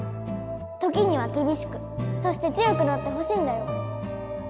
時にはきびしくそして強くなってほしいんだよ。